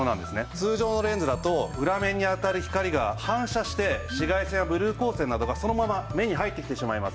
通常のレンズだと裏面に当たる光が反射して紫外線やブルー光線などがそのまま目に入ってきてしまいます。